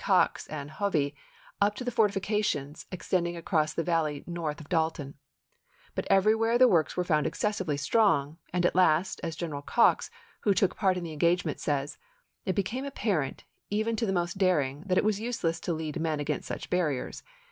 D. Cox and Hovey up to the fortifications extending across the valley north of Dalton ; but everywhere the works were found excessively strong ; and at last, as General Cox, who took part in the engagement, says, " It became apparent, even to the most daring, that it was useless to lead men against such barriers.